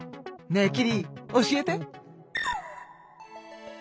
ねえキリ教えて。